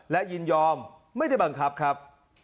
และยินยอมไม่ได้บังคับครับ